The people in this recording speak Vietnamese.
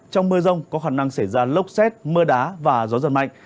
trong mưa rông có khả năng xảy ra lốc xét mưa đá và gió giật mạnh